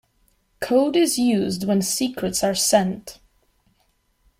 Code is used when secrets are sent.